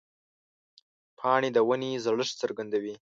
پاڼې د ونې زړښت څرګندوي.